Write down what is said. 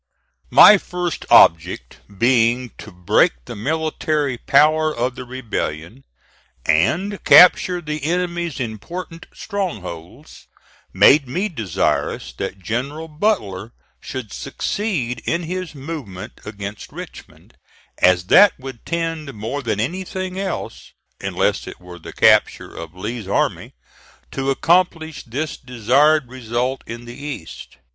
My first object being to break the military power of the rebellion, and capture the enemy's important strongholds, made me desirous that General Butler should succeed in his movement against Richmond, as that would tend more than anything else, unless it were the capture of Lee's army, to accomplish this desired result in the East.